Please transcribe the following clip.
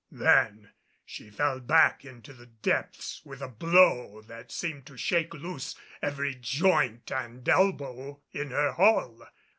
Then she fell back into the depths with a blow that seemed to shake loose every joint and elbow in her hull.